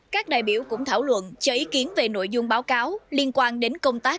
các đại biểu cũng thảo luận cho ý kiến về nội dung báo cáo liên quan đến công tác